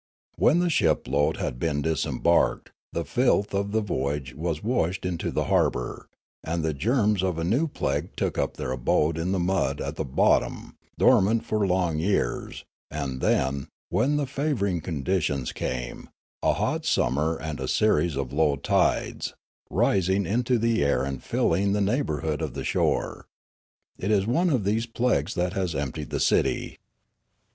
When the shipload had been disembarked, the filth of the voyage was washed into the harbour, and the germs of a new plague took up their abode in the mud at the bottom, dormant for long years, and then, when the favouring conditions came, a hot summer and a series of low tides, rising into the air and filling the neighbourhood of the shore. It is one of these plagues that has emptied the city.